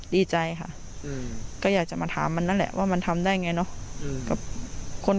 ดีใจค่ะก็อยากจะมาถามมันนั่นแหละว่ามันทำได้ไงเนาะ